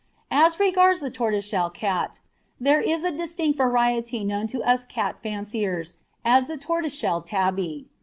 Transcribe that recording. As regards the tortoiseshell cat, there is a distinct variety known to us cat fanciers as the tortoiseshell tabby.